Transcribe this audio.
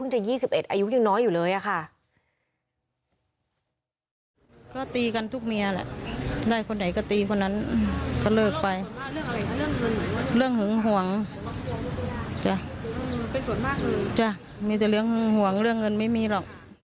แต่มีแต่เรื่องหึงห่วงเรื่องเงินไม่มีหรอก